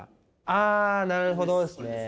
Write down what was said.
あなるほどですね。